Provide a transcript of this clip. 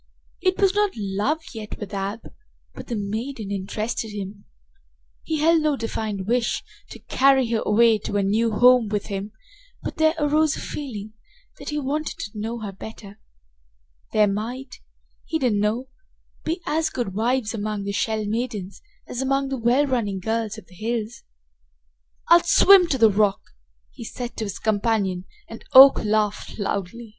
It was not love yet with Ab, but the maiden interested him. He held no defined wish to carry her away to a new home with him, but there arose a feeling that he wanted to know her better. There might, he didn't know be as good wives among the Shell maidens as among the well running girls of the hills. "I'll swim to the rock!" he said to his companion, and Oak laughed loudly.